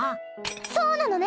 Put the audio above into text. そうなのね？